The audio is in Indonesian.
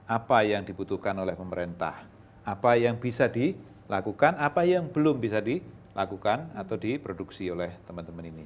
apa yang dibutuhkan oleh pemerintah apa yang bisa dilakukan apa yang belum bisa dilakukan atau diproduksi oleh teman teman ini